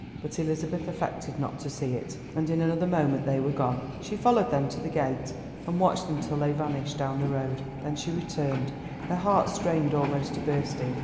But Elizabeth affected not to see it, and in another moment they were gone. She followed them to the gate and watched them till they vanished down the road. Then she returned, her heart strained almost to bursting.